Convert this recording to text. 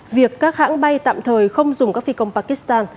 việc các hãng bay tạm thời không dùng các phi công pakistan